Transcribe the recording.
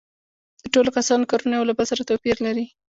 د ټولو کسانو کارونه یو له بل سره توپیر لري